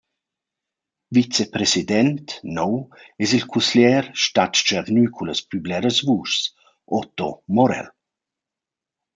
Vicepresident nouv es il cusglier stat tschernü cun las plü bleras vuschs, Otto Morell.